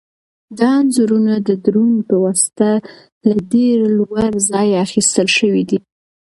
دا انځورونه د ډرون په واسطه له ډېر لوړ ځایه اخیستل شوي دي.